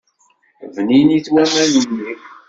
Bninit waman-nni.